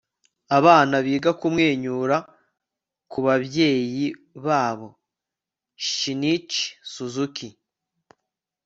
abana biga kumwenyura kubabyeyi babo. shinichi suzuki